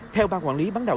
theo ba quản lý bán đạo